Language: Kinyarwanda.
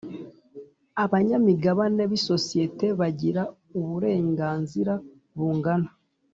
Abanyamigabane b isosiyete bagira uburenganzira bungana